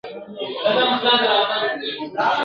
چي په سره غره کي د کنډوله لاندي !.